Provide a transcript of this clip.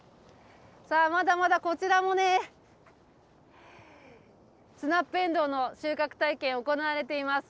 さあ、まだまだこちらもね、スナップエンドウの収穫体験行われています。